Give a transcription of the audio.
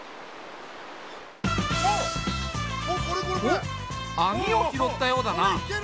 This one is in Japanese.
おっ網を拾ったようだな。